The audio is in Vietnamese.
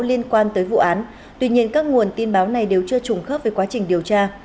liên quan tới vụ án tuy nhiên các nguồn tin báo này đều chưa trùng khớp với quá trình điều tra